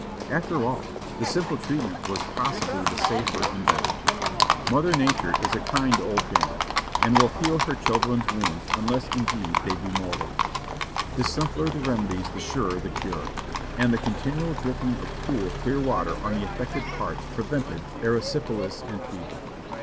After all, the simple treatment was possibly the safer and better. Mother Nature is a kind old dame, and will heal her children's wounds unless indeed they be mortal. The simpler tlie remedies the surer the cure; and the continual dripping of cool, clear water on the affected parts prevented erysipelas and fever.